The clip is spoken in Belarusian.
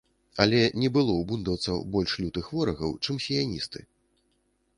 Але не было ў бундаўцаў больш лютых ворагаў, чым сіяністы.